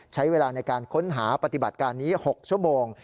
ใช้เวลาในการค้นหาปฏิบัติการนี้๖ชั่วโมง